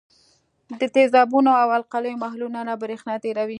د تیزابونو او القلیو محلولونه برېښنا تیروي.